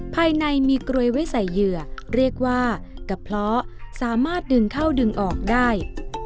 ภายในมีกรวยไว้ใส่เหยื่อเรียกว่ากระเพาะสามารถดึงเข้าดึงออกได้